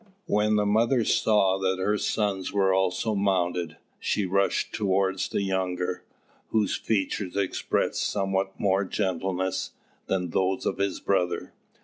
When the mother saw that her sons were also mounted, she rushed towards the younger, whose features expressed somewhat more gentleness than those of his brother.